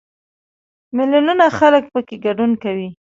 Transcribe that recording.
میلیونونه خلک پکې ګډون کوي.